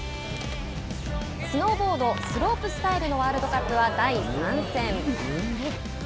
スノーボードスロープスタイルのワールドカップは第３戦。